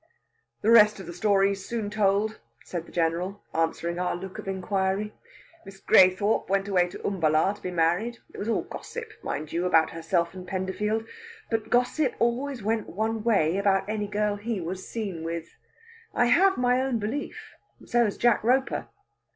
"The rest of the story's soon told," said the General, answering our look of inquiry. "Miss Graythorpe went away to Umballa to be married. It was all gossip, mind you, about herself and Penderfield. But gossip always went one way about any girl he was seen with. I have my own belief; so has Jack Roper."